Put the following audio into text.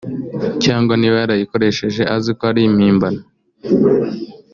cyangwa niba yarayikoresheje azi ko ari imihimbano